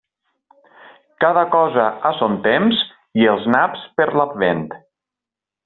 Cada cosa a son temps, i els naps per l'Advent.